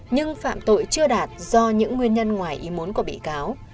nhưng phạm tội chưa đạt do những nguyên nhân ngoài ý muốn của bị cáo